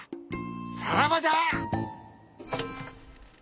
さらばじゃ！